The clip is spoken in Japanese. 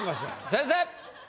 先生！